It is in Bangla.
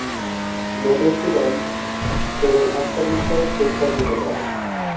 মধুসূদন কেবল একটা বিষয়ে টেক্কা দিতে পারে!